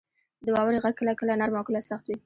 • د واورې غږ کله کله نرم او کله سخت وي.